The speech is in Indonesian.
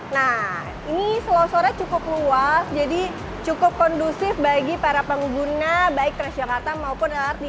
nah ini selongsorannya cukup luas jadi cukup kondusif bagi para pengguna baik transjakarta maupun lrt